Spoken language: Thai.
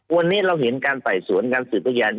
วันนี้เราเห็นการไต่สวนการสืบพยาน